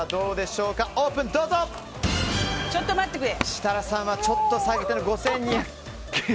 設楽さんはちょっと下げての５０００円。